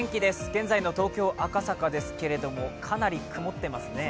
現在の東京・赤坂ですけれどもかなり曇ってますね。